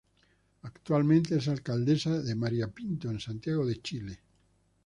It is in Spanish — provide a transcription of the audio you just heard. Actualmente es Alcaldesa de María Pinto en Santiago de Chile.